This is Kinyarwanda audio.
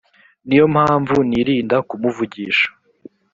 ni yo mpamvu nirinda kumuvugisha